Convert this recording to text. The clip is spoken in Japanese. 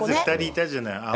２人いたじゃない。